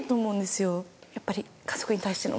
やっぱり。